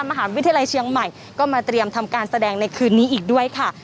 มหาวิทยาลัยเชียงใหม่ก็มาเตรียมทำการแสดงในคืนนี้อีกด้วยค่ะ